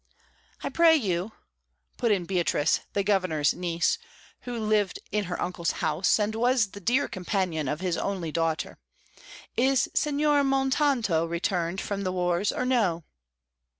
"I pray you," put in Beatrice, the Governor's niece, who lived in her uncle's house, and was the dear companion of his only daughter, "is Signor Mountanto returned from the wars or no?"